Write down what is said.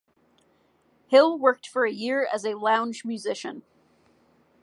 Hille worked for a year as a lounge musician.